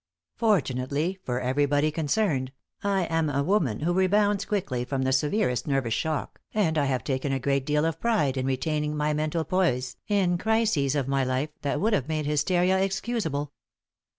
Fortunately for everybody concerned, I am a woman who rebounds quickly from the severest nervous shock, and I have taken a great deal of pride in retaining my mental poise in crises of my life that would have made hysteria excusable.